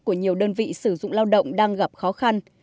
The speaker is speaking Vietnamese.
của nhiều đơn vị sử dụng lao động đang gặp khó khăn